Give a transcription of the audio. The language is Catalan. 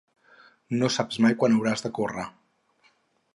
No saps mai quan hauràs de córrer.